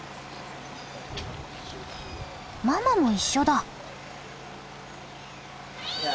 ママも一緒だ。